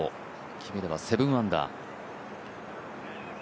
決めれば７アンダー。